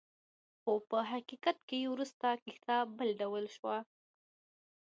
خو په حقیقت کې وروسته کیسه بل ډول شوه.